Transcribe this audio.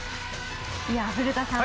古田さん